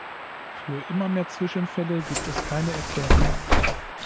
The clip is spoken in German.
Für immer mehr Zwischenfälle gibt es keine Erklärung.